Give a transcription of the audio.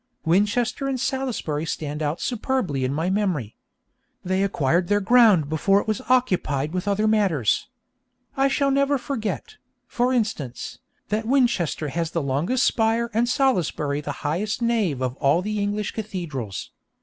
Winchester and Salisbury stand out superbly in my memory. They acquired their ground before it was occupied with other matters. I shall never forget, for instance, that Winchester has the longest spire and Salisbury the highest nave of all the English cathedrals.